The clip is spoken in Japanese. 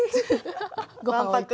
わんぱく！